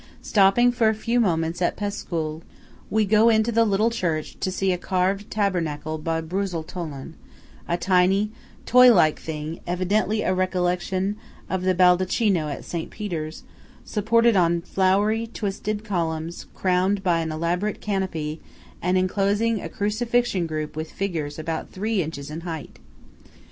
Stopping for a few moments at Pescul, we go into the little church to see a carved tabernacle by Brusetolon–a tiny, toy like thing, evidently a recollection of the Baldacchino at St. Peter's, supported upon flowery twisted columns, crowned by an elaborate canopy, and enclosing a crucifixion group with figures about three inches in height.